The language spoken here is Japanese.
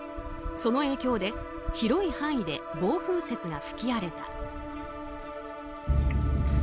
その影響で、広い範囲で暴風雪が吹き荒れた。